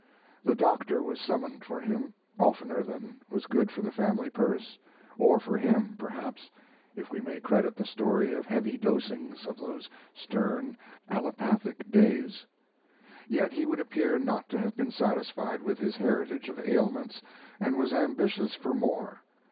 The doctor was summoned for him oftener than was good for the family purse or for him, perhaps, if we may credit the story of heavy dosings of those stern allopathic days. Yet he would appear not to have been satisfied with his heritage of ailments, and was ambitious for more.